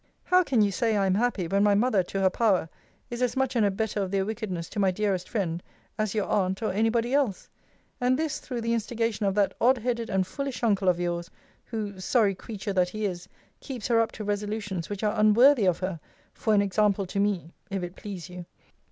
How can you say I am happy, when my mother, to her power, is as much an abettor of their wickedness to my dearest friend, as your aunt, or any body else? and this through the instigation of that odd headed and foolish uncle of yours, who [sorry creature that he is!] keeps her up to resolutions which are unworthy of her, for an example to me, if it please you.